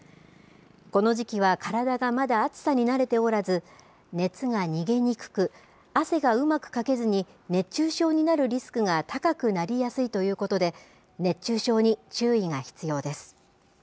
この時期は体がまだ暑さに慣れておらず、熱が逃げにくく、汗がうまくかけずに、熱中症になるリスクが高くなりやすいということで、次です。